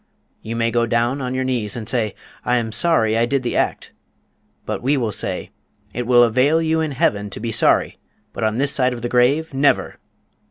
_ You may go down on your knees, and say, 'I am sorry I did the act' but we will say '_IT WILL AVAIL YOU IN HEAVEN TO BE SORRY, BUT ON THIS SIDE OF THE GRAVE, NEVER!